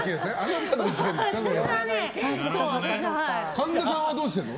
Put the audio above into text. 神田さんはどうしてるの？